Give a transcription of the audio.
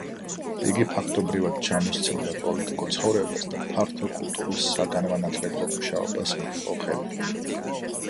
იგი ფაქტობრივად ჩამოსცილდა პოლიტიკურ ცხოვრებას და ფართო კულტურულ-საგანმანათლებლო მუშაობას მიჰყო ხელი.